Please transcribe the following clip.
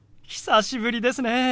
久しぶりですね。